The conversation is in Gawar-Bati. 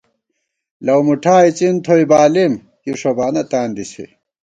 لَؤمُٹھا اِڅِن تھوئی بالېم ، کی ݭوبانہ تاندی سے